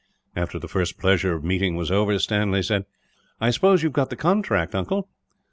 After the first pleasure of meeting was over, Stanley said: "I suppose you have got the contract, uncle?"